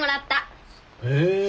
へえ。